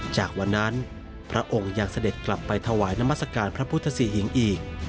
จากวันนั้นพระองค์ยังเสด็จกลับไปถวายน้ำมัศกาลพระพุทธศรีหิงอีก